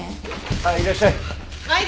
あっいらっしゃい。